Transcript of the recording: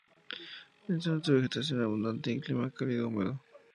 En zonas de vegetación abundante y clima cálido húmedo.